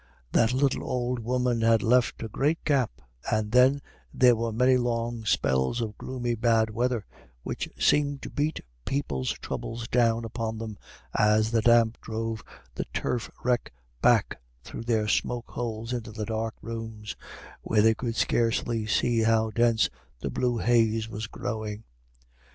That little old woman had left a great gap; and then there were many long spells of gloomy bad weather, which seemed to beat people's troubles down upon them as the damp drove the turf reck back through their smoke holes into the dark rooms, where they could scarcely see how dense the blue haze was growing.